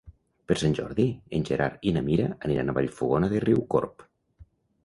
Per Sant Jordi en Gerard i na Mira aniran a Vallfogona de Riucorb.